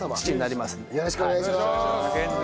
よろしくお願いします。